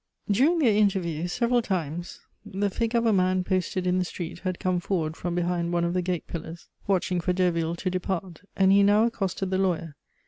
During their interview, several times, the figure of a man posted in the street had come forward from behind one of the gate pillars, watching for Derville to depart, and he now accosted the lawyer.